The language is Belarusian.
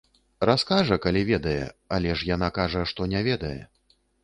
Раскажа, калі ведае, але ж яна кажа, што не ведае.